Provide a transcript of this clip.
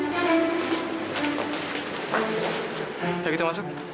kalau gitu masuk